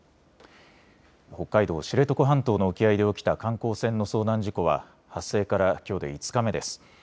北海道知床半島の沖合で起きた観光船の遭難事故は発生からきょうで５日目です。